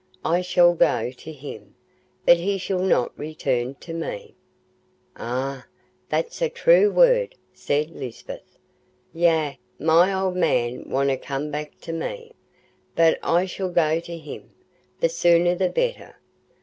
I shall go to him, but he shall not return to me.'" "Eh, that's a true word," said Lisbeth. "Yea, my old man wonna come back to me, but I shall go to him—the sooner the better.